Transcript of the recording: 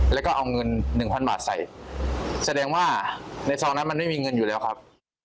แล้วก็เอาเงินหนึ่งพันบาทใส่แสดงว่าในซองนั้นมันไม่มีเงินอยู่แล้วครับ